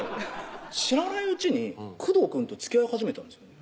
知らないうちに工藤くんとつきあい始めたんですよね